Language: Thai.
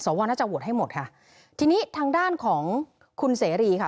ว่าน่าจะโหวตให้หมดค่ะทีนี้ทางด้านของคุณเสรีค่ะ